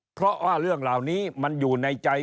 เพราะว่าเรื่องเหล่านี้มันอยู่ในใจ